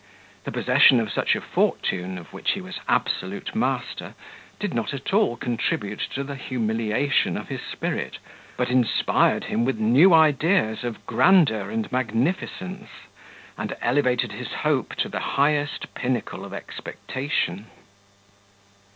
The possession of such a fortune, of which he was absolute master, did not at all contribute to the humiliation of his spirit, but inspired him with new ideas of grandeur and magnificence, and elevated his hope to the highest pinnacle of expectation.